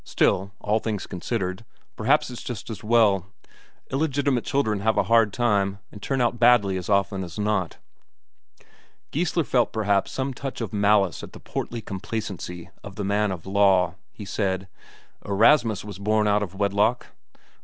Still, all things considered, perhaps it's just as well. Illegitimate children have a hard time, and turn out badly as often as not." Geissler felt perhaps some touch of malice at the portly complacency of the man of law; he said: "Erasmus was born out of wedlock."